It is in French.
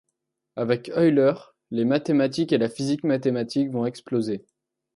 Avec Euler, les mathématiques et la physique mathématique vont exploser.